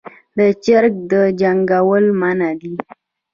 د چرګ جنګول منع دي